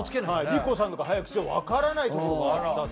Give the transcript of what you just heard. りこさんとか「早口でわからないところがあった」と。